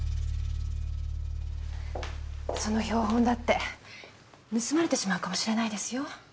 その標本だって盗まれてしまうかもしれないですよ。